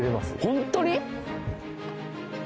本当に？